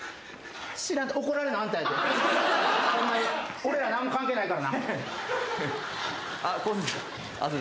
俺ら何も関係ないからな。